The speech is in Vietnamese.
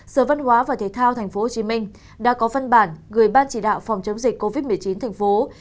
sở văn hóa và thể thao tp hcm đã có phân bản gửi ban chỉ đạo phòng chống dịch covid một mươi chín thành phố